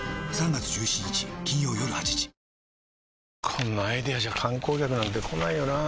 こんなアイデアじゃ観光客なんて来ないよなあ